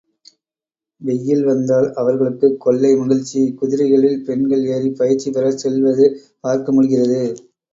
வெய்யில் வந்தால் அவர்களுக்குக் கொள்ளை மகிழ்ச்சி குதிரைகளில் பெண்கள் ஏறிப் பயிற்சி பெறச் செல்வது பார்க்க முடிகிறது.